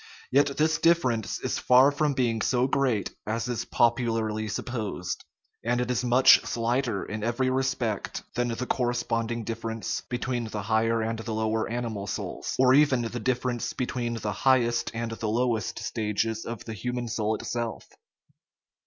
Yet this difference is far from being so great as is popularly supposed; and it is much slighter in every respect than the cor responding difference between the higher and the low er animal souls, or even the difference between the highest and the lowest stages of the human soul itself.